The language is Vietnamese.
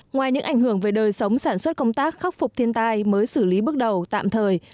ngoài những ảnh hưởng về đời sống sản xuất công tác khắc phục thiên tai mới xử lý bước đầu tạm thời